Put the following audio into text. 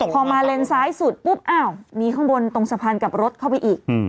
พอมาเลนซ้ายสุดปุ๊บอ้าวมีข้างบนตรงสะพานกับรถเข้าไปอีก